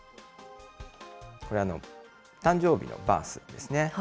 これ、誕生日のバースですね。